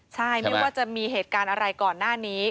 ใช่ไม่ว่าจะมีเหตุการณ์อะไรก่อนหน้านี้